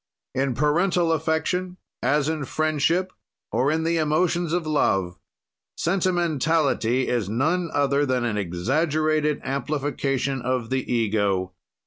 "In parental affection, as in friendship or in the emotions of love, sentimentality is none other than an exaggerated amplification of the ego.